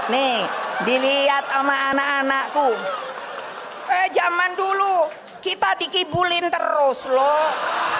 nih dilihat sama anak anakku zaman dulu kita dikibulin terus loh